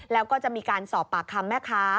แล้วก็จะมีการสอบปากคำแม่ค้า